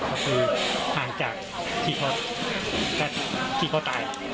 ก็คือห่างจากที่เขาตาย